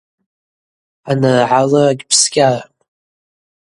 Аныргӏалра гьпскӏьарам.